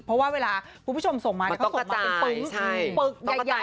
เพราะว่าเวลาคุณผู้ชมส่งมาเขาส่งมาเป็นปึ๊งปึกใหญ่